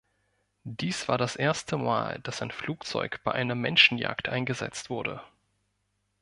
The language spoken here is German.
Dies war das erste Mal, dass ein Flugzeug bei einer Menschenjagd eingesetzt wurde.